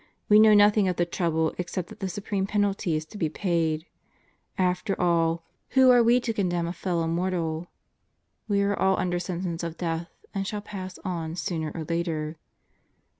We know nothing of the trouble except that the supreme penalty is to be paid. After all, who are we to condemn 118 God Goes to Murderers Row a fellow mortal? We are all under sentence of death and shall pass on sooner or later.